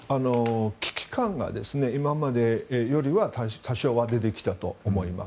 危機感が今までよりは多少は出てきたと思います。